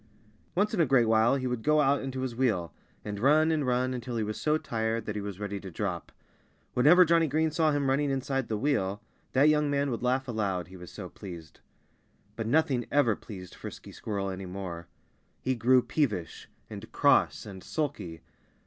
Once in a great while he would go out into his wheel, and run and run until he was so tired that he was ready to drop. Whenever Johnnie Green saw him running inside the wheel that young man would laugh aloud he was so pleased. But nothing ever pleased Frisky Squirrel any more. He grew peevish and cross and sulky.